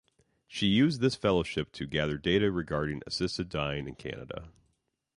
She used this fellowship to gather data regarding assisted dying in Canada.